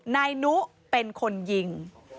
นายนุเป็นคนยิง